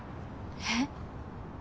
えっ？